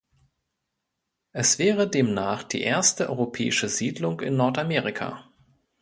Es wäre demnach die erste europäische Siedlung in Nordamerika.